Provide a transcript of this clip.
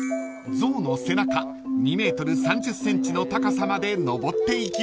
［象の背中２ｍ３０ｃｍの高さまで上っていきます］